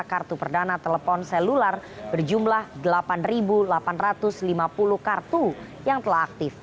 kartu perdana telepon selular berjumlah delapan delapan ratus lima puluh kartu yang telah aktif